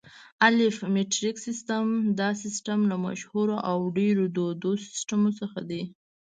الف: مټریک سیسټم: دا سیسټم له مشهورو او ډېرو دودو سیسټمونو څخه دی.